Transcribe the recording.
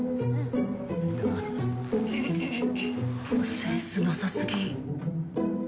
センスなさすぎ。